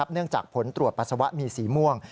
เนื่องจากผลตรวจปัสสาวะมีสีม่วง